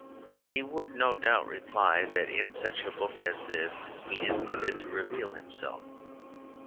He would no doubt reply that in such a book as this he intended to reveal himself.